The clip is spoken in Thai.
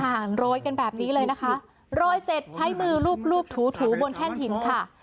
โรยกันแบบนี้เลยนะคะโรยเสร็จใช้มือรูปรูปถูถูบนแท่นหินค่ะ